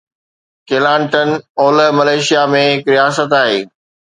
Kelantan اولهه Malaysia ۾ هڪ رياست آهي.